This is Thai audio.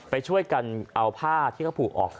ไปช่วยกันเอาผ้าที่เขาผูกออก